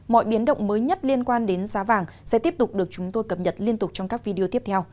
mọi biến động mới nhất liên quan đến giá vàng sẽ tiếp tục được chúng tôi cập nhật liên tục trong các video tiếp theo